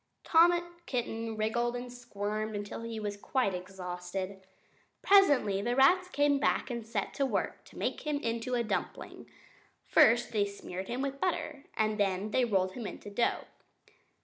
Tom Kitten wriggled and squirmed until he was quite exhausted. Presently the rats came back and set to work to make him into a dumpling. First they smeared him with butter, and then they rolled him in the dough.